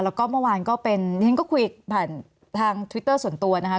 แล้วก็เมื่อวานก็เป็นฉันก็คุยผ่านทางทวิตเตอร์ส่วนตัวนะคะ